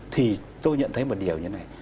thì tôi nhận thấy một điều như thế này